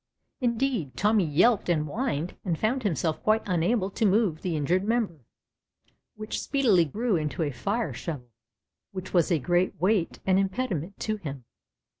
Indeed, Tommy yelped and whined and found himself quite unable to move the injured member, which speedily grew into a fire shovel which was a great weight and impediment to him.